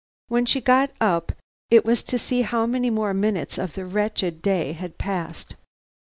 When she got up it was to see how many more minutes of the wretched day had passed.